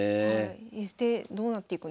でどうなっていくんですか？